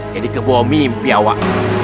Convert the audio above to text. jadi kebomimpi awak